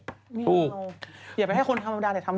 หมื่นแรกทำให้แล้ว